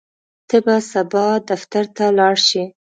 ته به سبا دفتر ته لاړ شې؟